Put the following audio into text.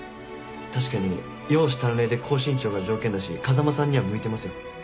確かに容姿端麗で高身長が条件だし風間さんには向いてますよ。